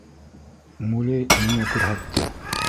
Мулей миңә күрһәтте.